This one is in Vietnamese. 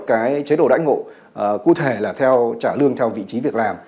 cái chế độ đãi ngộ cụ thể là theo trả lương theo vị trí việc làm